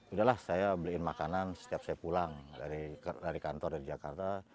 udah lah saya beliin makanan setiap saya pulang dari kantor jakarta